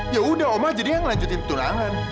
ya udah oma jadinya yang ngelanjutin pertunangan